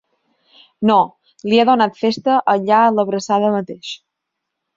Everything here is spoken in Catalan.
No, li he donat festa allà a l'Abraçada mateix.